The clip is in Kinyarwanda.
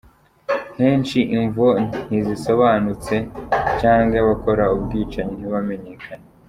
Henshi imvo ntizisobanutse canke abakora ubwicanyi ntibamenyekane.